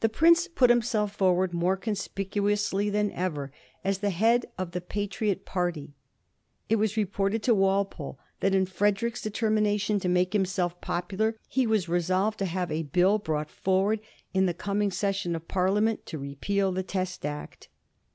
The prince put himself forward more conspicuously than ever as the head of the Patriot party. It was reported to Walpole that in Frederick's determina tion to make himself popular he was resolved to have a Bill brought forward in the coming session of Parliament to repeal the Test Act.